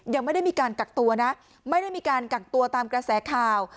ยังไม่ได้มีการกักตัวนะไม่ได้มีการกักตัวตามกระแสข่าว